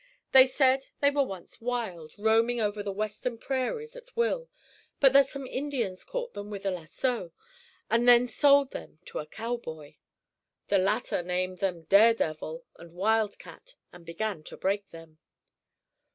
They said they were once wild, roaming over the western prairies at will; but that some Indians caught them with a lasso, and then sold them to a cowboy. The latter named them "Daredevil" and "Wildcat," and began to break them.